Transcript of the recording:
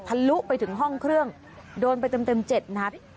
ลุไปถึงห้องเครื่องโดนไปเต็ม๗นัด